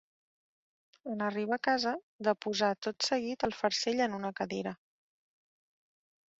En arribar a casa, deposà tot seguit el farcell en una cadira.